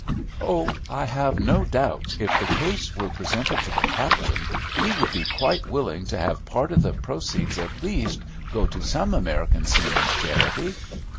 "Oh, I have no doubt if the case were presented to the captain, he would be quite willing to have part of the proceeds at least go to some American seamen's charity."